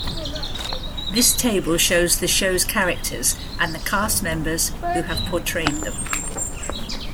This table shows the show's characters and the cast members who have portrayed them.